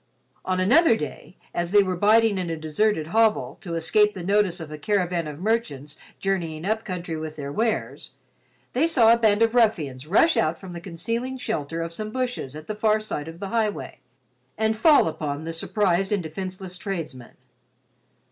On another day, as they were biding in a deserted hovel to escape the notice of a caravan of merchants journeying up country with their wares, they saw a band of ruffians rush out from the concealing shelter of some bushes at the far side of the highway and fall upon the surprised and defenseless tradesmen.